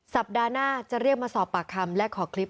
สัปดาห์หน้าจะเรียกมาสอบปากคำและขอคลิป